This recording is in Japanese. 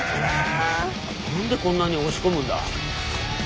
何でこんなに押し込むんだ。